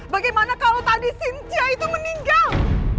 bagaimana kalau tadi sintia itu meninggal